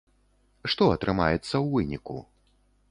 Што атрымаецца ў выніку?